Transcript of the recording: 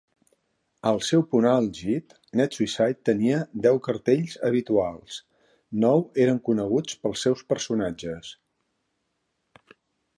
Al seu punt àlgid, "net.suicide" tenia deu cartells habituals; nou eren coneguts pels seus personatges.